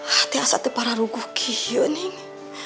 hati hati para ruguhki yuning